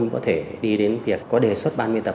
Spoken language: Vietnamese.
để đi đến việc có đề xuất ban miệng tập